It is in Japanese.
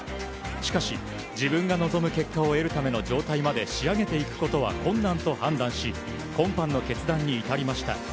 しかし、自分が望む結果を得るための状態まで仕上げていくことは困難と判断し今般の決断に至りました。